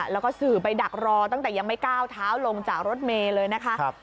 แล้วก็สื่อไปดักรอตั้งแต่ยังไม่ก้าวเท้าลงจากรถเมย์เลยนะคะ